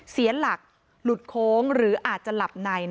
เสียหลักหลุดโค้งหรืออาจจะหลับใน